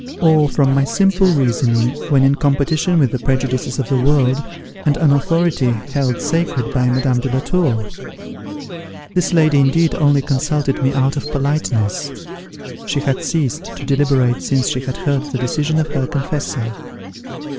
or from my simple reasoning, when in competition with the prejudices of the world, and an authority held sacred by Madame de la Tour? This lady indeed only consulted me out of politeness; she had ceased to deliberate since she had heard the decision of her confessor.